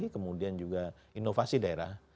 kemudian juga inovasi daerah